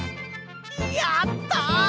やった！